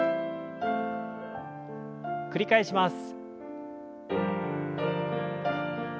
繰り返します。